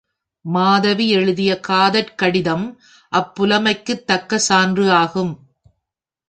மாதவி எழுதிய காதற் கடிதம் அப்புலமைக்குத் தக்க சான்று ஆகும்.